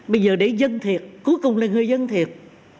bây giờ để dân thiệt cuối cùng là người dân thiệt